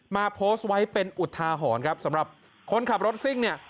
มาโพสต์ไว้เป็นอุทาหอนครับสำหรับคนขับรถซิ่ง